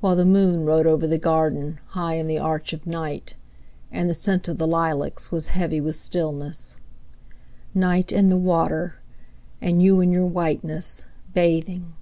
While the moon rode over the garden, High in the arch of night, And the scent of the lilacs was heavy with stillness. Night, and the water, and you in your whiteness, bathing!